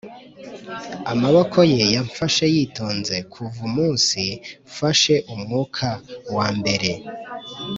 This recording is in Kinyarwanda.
amaboko ye yamfashe yitonze kuva umunsi mfashe umwuka wambere.